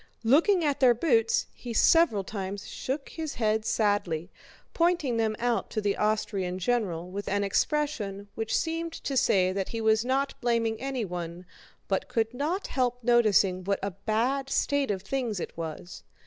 Looking at their boots he several times shook his head sadly, pointing them out to the Austrian general with an expression which seemed to say that he was not blaming anyone, but could not help noticing what a bad state of things it was.